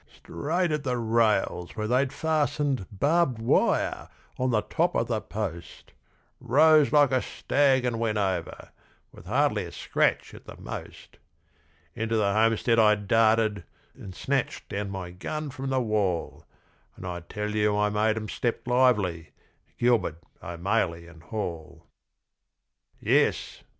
Straight at the rails, where they'd fastened barbed wire on the top of the post, Rose like a stag and went over, with hardly a scratch at the most; Into the homestead I darted, and snatched down my gun from the wall, And I tell you I made them step lively, Gilbert, O'Maley and Hall! Yes!